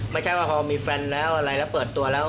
ไม่ใช่ว่าพอมีแฟนแล้วอะไรแล้วเปิดตัวแล้ว